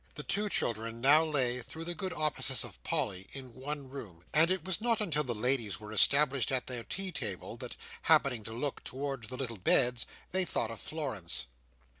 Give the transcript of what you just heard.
The two children now lay, through the good offices of Polly, in one room; and it was not until the ladies were established at their tea table that, happening to look towards the little beds, they thought of Florence.